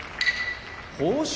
豊昇